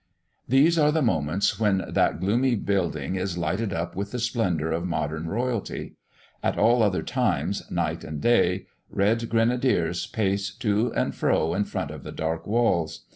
These are the moments when that gloomy building is lighted up with the splendour of modern royalty; at all other times, night and day, red grenadiers pace to and fro in front of the dark walls.